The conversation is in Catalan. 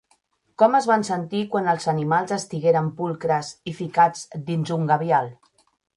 Com es van sentir quan els animals estigueren pulcres i ficats dins un gabial?